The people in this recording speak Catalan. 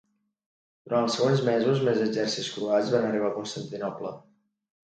Durant els següents mesos més exèrcits croats van arribar a Constantinoble.